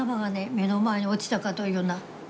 目の前に落ちたかというような。